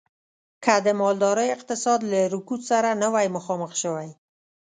که د مالدارۍ اقتصاد له رکود سره نه وی مخامخ شوی.